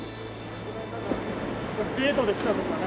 デートで来た事は。